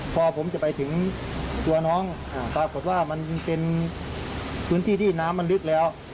พอผมจะไปถึงตัวน้องปรากฏว่ามันเป็นพื้นที่ที่น้ำมันลึกแล้ว